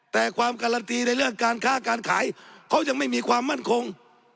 แต่ความการันตีในเรื่องการค้าการขายเขายังไม่มีความมั่นคง